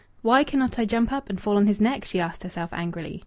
"Why cannot I jump up and fall on his neck?" she asked herself angrily.